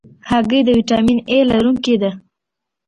هګۍ د ویټامین A لرونکې ده.